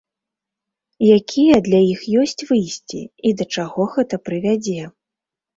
Якія для іх ёсць выйсці і да чаго гэта прывядзе?